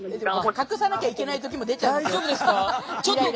隠さなきゃいけない時も出ちゃうかも。